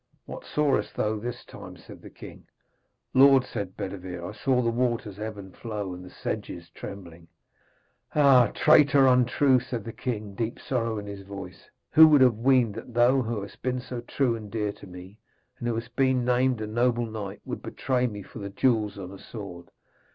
'What sawest thou this time?' said the king. 'Lord,' said Bedevere, 'I saw the waters ebb and flow and the sedges trembling.' 'Ah, traitor untrue!' said the king, deep sorrow in his voice, 'who would have weened that thou who hast been so true and dear to me, and who hast been named a noble knight, would betray me for the jewels on a sword?